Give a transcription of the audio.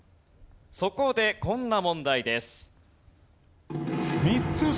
そこでこんな問題です。